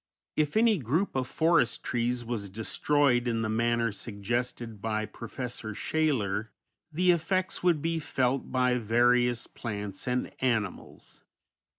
If any group of forest trees was destroyed in the manner suggested by Professor Shaler, the effects would be felt by various plants and animals.